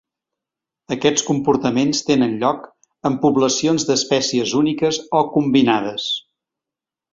Aquests comportaments tenen lloc en poblacions d'espècies úniques o combinades.